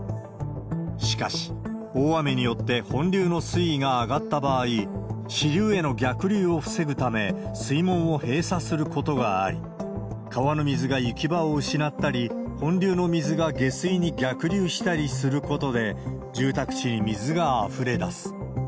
しかし、大雨によって本流の水位が上がった場合、支流への逆流を防ぐため、水門を閉鎖することがあり、川の水が行き場を失ったり、本流の水が下水に逆流したりすることで、住宅地に水があふれ出す。